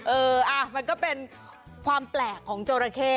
เออมันก็เป็นความแปลกของจราเข้